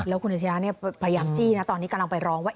แล้วคุณอาชญาพยายามจี้นะตอนนี้กำลังไปร้องว่า